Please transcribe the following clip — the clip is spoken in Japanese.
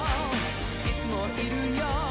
いつもいるよ